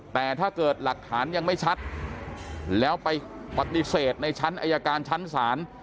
แต่ถ้าเกิดหลักฐานยังไม่ชัดแล้วไปปฏิเสธในชั้นอายการชั้นศาล